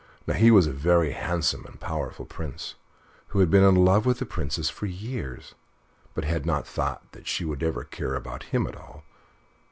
Now he was a very handsome and powerful Prince, who had been in love with the Princess for years, but had not thought that she would ever care about him at all.